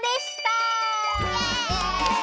イエイ！